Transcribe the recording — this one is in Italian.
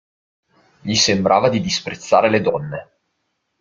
Gli sembrava di disprezzare le donne.